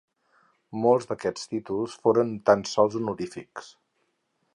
Molts d'aquests títols foren tan sols honorífics.